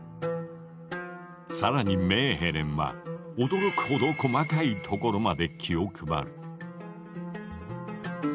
更にメーヘレンは驚くほど細かいところまで気を配る。